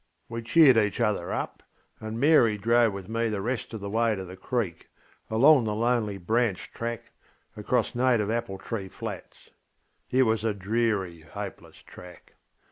We cheered each other up, and Mary drove with me the rest of the way to the creek, along the lonely branch track, across native apple tree flats. It was a dreary, hopeless track.